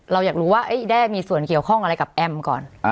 เราอยากรู้ว่าแด้มีส่วนเกี่ยวข้องอะไรกับแอมก่อน